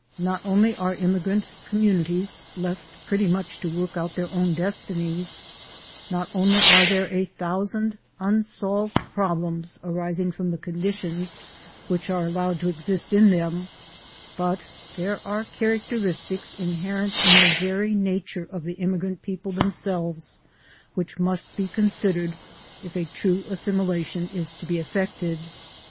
Not only are immigrant communities left pretty much to work out their own destinies ; not only are there a thousand unsolved problems arising from the conditions which are allowed to exist in them ; but there are characteristics inherent in the very nature of the immigrant people themselves which must be considered if a true assimilation is to be effected.